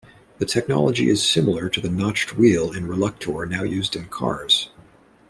The technology is similar to the notched wheel and reluctor now used in cars.